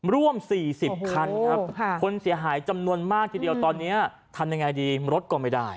ร่วม๔๐คันครับคนเสียหายจำนวนมากทีเดียวตอนนี้ทำยังไงดีรถก็ไม่ได้